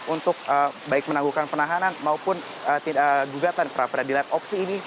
untuk baik menanggungkan penahanan maupun gugatan perapradilan opsi ini